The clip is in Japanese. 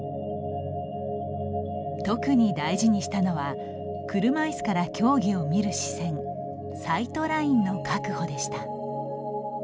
特に大事にしたのは車いすから競技を見る視線サイトラインの確保でした。